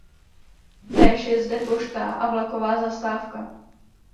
Též je zde pošta a vlaková zastávka.